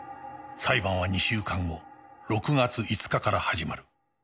裁判は２週間後６月５日から始まる